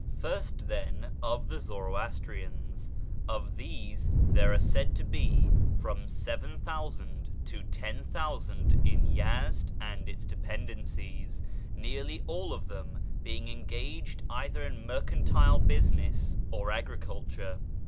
First, then, of the Zoroastrians. Of these there are said to be from 7000 to 10,000 in Yezd and its dependencies, nearly all of them being engaged either in mercantile business or agriculture.